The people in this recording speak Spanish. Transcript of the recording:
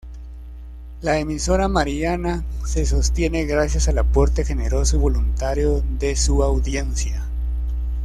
La emisora mariana se sostiene gracias al aporte generoso y voluntario de su audiencia.